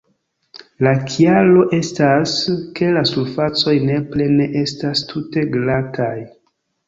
La kialo estas, ke la surfacoj nepre ne estas tute glataj.